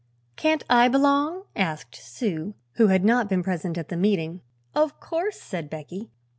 "Can't I belong?" asked Sue, who had not been present at the meeting. "Of course," said Becky.